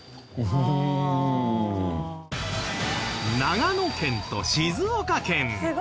長野県と静岡県。